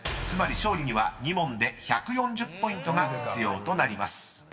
［つまり勝利には２問で１４０ポイントが必要となります］